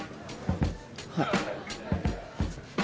はい。